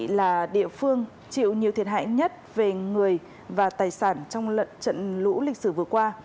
là địa phương chịu nhiều thiệt hại nhất về người và tài sản trong trận lũ lịch sử vừa qua